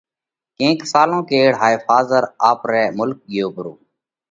ڪينڪ سالون ڪيڙ هائي ڦازر آپرئہ مُلڪ ڳيو پرو،